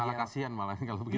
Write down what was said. malah kasian malah kalau begitu